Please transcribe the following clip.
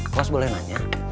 kos boleh nanya